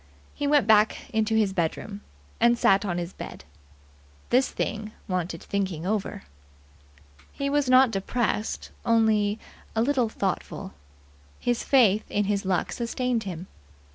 He went back into his bedroom, and sat on the bed. This thing wanted thinking over. He was not depressed only a little thoughtful. His faith in his luck sustained him.